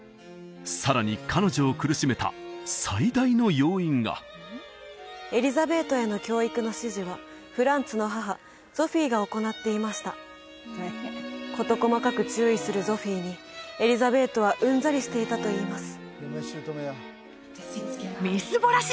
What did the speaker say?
さらに彼女を苦しめた最大の要因がエリザベートへの教育の指示はフランツの母ゾフィーが行っていました事細かく注意するゾフィーにエリザベートはうんざりしていたといいます